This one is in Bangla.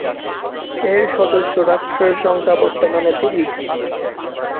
এর সদস্য রাষ্ট্রের সংখ্যা বর্তমানে তিরিশ।